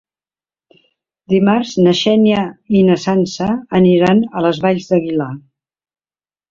Dimarts na Xènia i na Sança aniran a les Valls d'Aguilar.